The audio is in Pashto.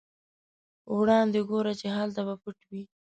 وړاندې ګوره چې هلته به پټ وي.